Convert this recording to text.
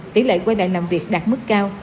tỷ lệ quay lại làm việc đạt mức cao